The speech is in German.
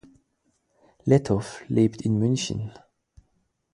Lettow lebt in München.